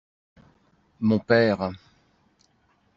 Mon père.